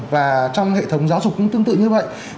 và trong hệ thống giáo dục cũng tương tự như vậy